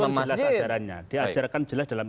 jelas ajarannya diajarkan jelas dalam